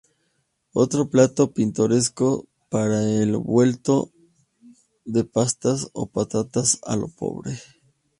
Otro plato pintoresco será el revuelto de patatas o patatas a lo pobre.